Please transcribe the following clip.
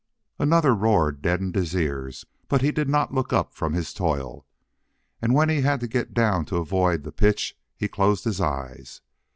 Another roar deadened his ears, but he did not look up from his toil. And when he had to get down to avoid the pitch he closed his eyes.